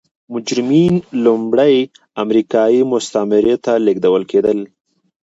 مجرمین لومړی امریکايي مستعمرې ته لېږدول کېدل.